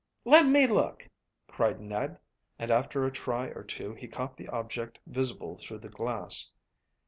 "Let me look," cried Ned, and after a try or two he caught the object visible through the glass.